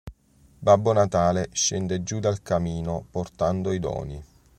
Babbo Natale scende giù dal camino, portando i doni.